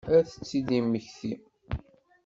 Ad tt-id-yemmekti?